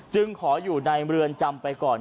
ขออยู่ในเรือนจำไปก่อน